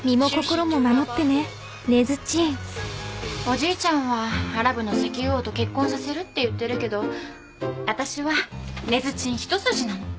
おじいちゃんはアラブの石油王と結婚させるって言ってるけどわたしは根津ちん一筋なの。